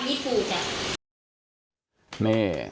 ไข่ก่อน